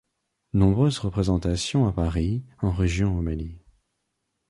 Nombreuses représentations à Paris, en régions et au Mali.